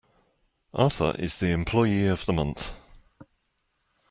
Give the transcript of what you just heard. Arthur is the employee of the month.